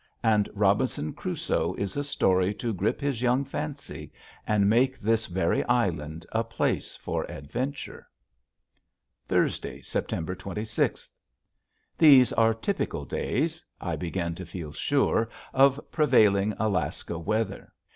And "Robinson Crusoe" is a story to grip his young fancy and make this very island a place for adventure. Thursday, September twenty sixth. These are typical days, I begin to feel sure, of prevailing Alaska weather.